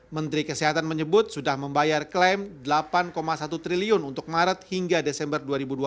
menteri kesehatan menyebut sudah membayar klaim rp delapan satu triliun untuk maret hingga desember dua ribu dua puluh